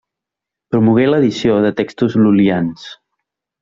Promogué l'edició de textos lul·lians.